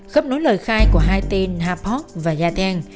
khắp nối lời khai của hai tên harpoch và gia thang